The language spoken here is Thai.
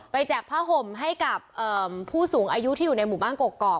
แจกผ้าห่มให้กับผู้สูงอายุที่อยู่ในหมู่บ้านกกอก